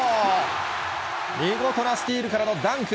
見事なスティールからのダンク。